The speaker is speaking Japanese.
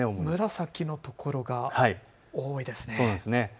紫の所が多いですね。